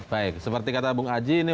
baik seperti kata bung aji ini